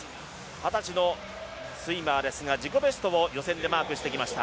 二十歳のスイマーですが、自己ベストを予選でマークしてきました。